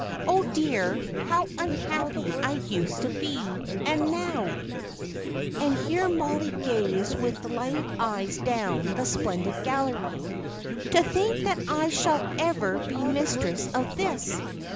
Oh dear, how unhappy I used to be! And now" and here Mollie gazed with delighted eyes down the splendid gallery "to think that I shall ever be mistress of this!